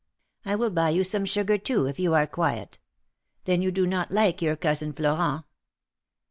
I will buy you some sugar, too, if you are quiet. Then you do not like your Cousin Florent